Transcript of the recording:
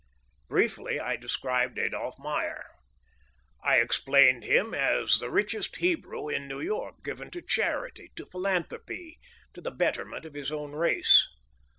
Briefly I described Adolph Meyer. I explained him as the richest Hebrew in New York; given to charity, to philanthropy, to the betterment of his own race.